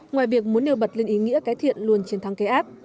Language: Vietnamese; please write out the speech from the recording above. ngoài việc muốn nêu bật lên ý nghĩa cái thiện luôn trên thang cây áp